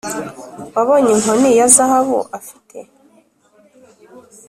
wabonye inkoni ya zahabu afite ?»